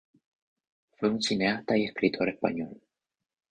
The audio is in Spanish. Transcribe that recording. Fue un cineasta y escritor español.